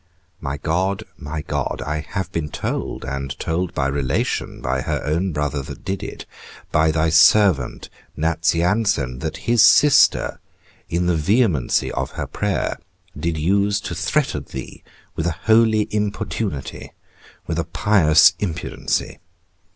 My God, my God, I have been told, and told by relation, by her own brother that did it, by thy servant Nazianzen, that his sister in the vehemency of her prayer, did use to threaten thee with a holy importunity, with a pious impudency.